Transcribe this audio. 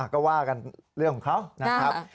ก็ว่ากันเรื่องของเขานะครับ